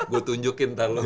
gua tunjukin ntar lu